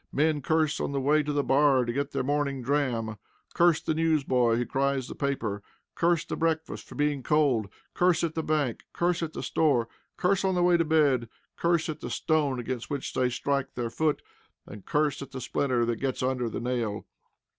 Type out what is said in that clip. Men curse on the way to the bar to get their morning dram; curse the news boy who cries the paper; curse the breakfast for being cold; curse at the bank, and curse at the store; curse on the way to bed; curse at the stone against which they strike their foot; and curse at the splinter that gets under the nail.